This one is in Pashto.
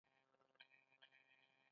د هند ملي بیرغ تیرانګه دی.